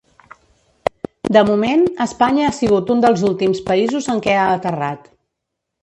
De moment, Espanya ha sigut un dels últims països en què ha aterrat.